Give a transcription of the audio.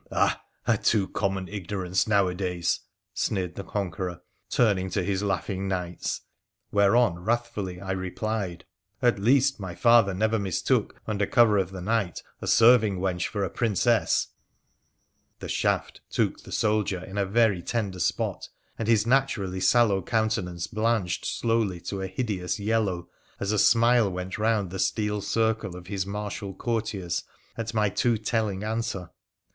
' Ah ! a too common ignorance nowadays !' sneered the Conqueror, turning to his laughing knights. Whereon wrathfully I replied :' At least, my father never mistook, under cover of the night, a serving wench for a Princess !' The shaft took the soldier in a very tender spot, and his naturally sallow countenance blanched slowly to a hideous yellow as a smile went round the steel circle of his martial courtiers at my too telling answer.